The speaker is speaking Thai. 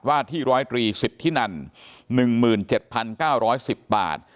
ว่าที่๑๓๐ที่นั่น๑๗๙๑๐บาท